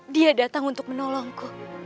dia datang untuk menolongku